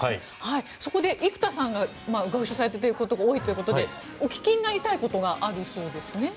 そこで、生田さんがご一緒されたことが多いということでお聞きになりたいことがあるそうですね。